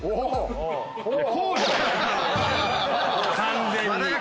完全に。